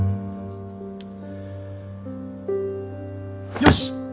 よし。